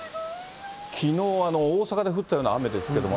きのう大阪で降ったような雨ですけれども。